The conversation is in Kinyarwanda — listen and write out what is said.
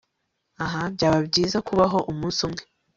Ah Byaba byiza kubaho umunsi umwe